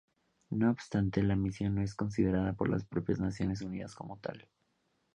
No obstante, la misión no es considerada por las propias Naciones Unidas como tal.